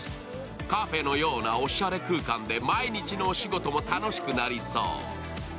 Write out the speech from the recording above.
カフェのようなおしゃれ空間で毎日のお仕事も楽しくなりそう。